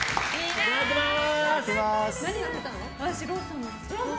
いただきます！